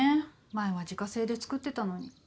前は自家製で作ってたのに。